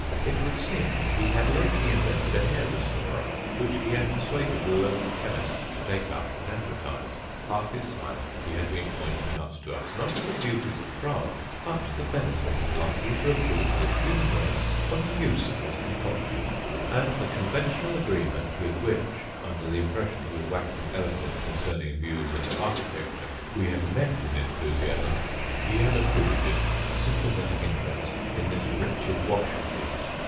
It would seem he had lately invented a hair restorer, which he had persuaded a local chemist to take up and advertise. Half his time he had been pointing out to us, not the beauties of Prague, but the benefits likely to accrue to the human race from the use of this concoction; and the conventional agreement with which, under the impression he was waxing eloquent concerning views and architecture, we had met his enthusiasm he had attributed to sympathetic interest in this wretched wash of his.